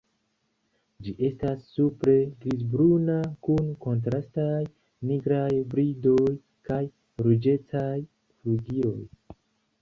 Ĝi estas supre grizbruna kun kontrastaj nigraj bridoj kaj ruĝecaj flugiloj.